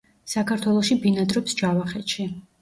საქართველოში ბინადრობს ჯავახეთში.